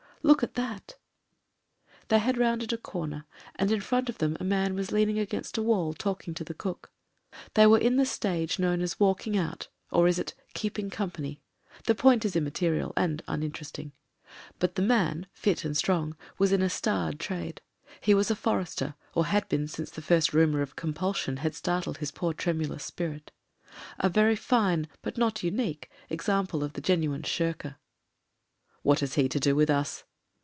"Look at that." They had rounded a comer, and in front of them ti THE GREY HOUSE 241 a man was leaning against a wall talking to the cook. They were in the stage known as walking out ^r is it keeping company? The point is immaterial and uninteresting. But the man, fit and strong, was in a starred trade. He was a forester — or had been since the first rumour of compulsion had startled his poor tremulous spirit. A very fine, but not unique example of the genuine shirker. ... What has he to do with us?"